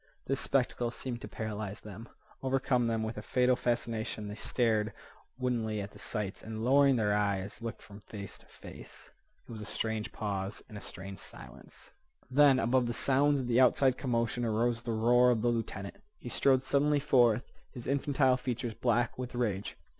This spectacle seemed to paralyze them, overcome them with a fatal fascination. They stared woodenly at the sights, and, lowering their eyes, looked from face to face. It was a strange pause, and a strange silence. Then, above the sounds of the outside commotion, arose the roar of the lieutenant. He strode suddenly forth, his infantile features black with rage.